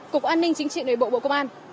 cục an ninh chính trị nội bộ bộ công an